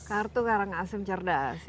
kartu karangasem cerdas